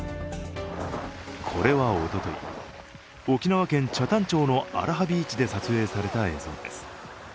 これはおととい、沖縄県北谷町のアラハビーチで撮影された映像です。